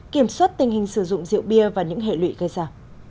kiểm soát tình hình sử dụng rượu bia và những hệ lụy gây ra